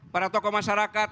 para tokoh masyarakat